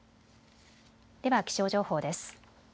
では気象情報です。